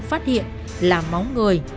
phát hiện là máu người